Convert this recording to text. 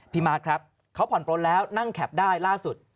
มาร์คครับเขาผ่อนปลนแล้วนั่งแคปได้ล่าสุด